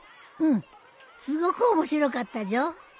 うんすごく面白かったじょ。